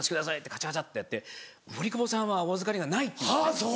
カチャカチャってやって「森久保さんはお預かりがない」って言うんですね。